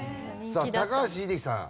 さあ高橋英樹さん。